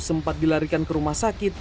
sempat dilarikan ke rumah sakit